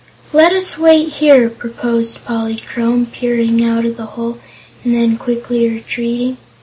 "Let us wait here," proposed Polychrome, peering out of the hole and then quickly retreating.